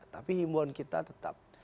tapi himbauan kita tetap